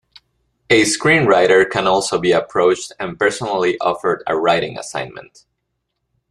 A screenwriter can also be approached and personally offered a writing assignment.